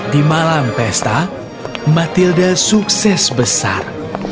di malam pesta matilda sukses besar